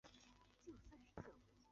目前隶属于。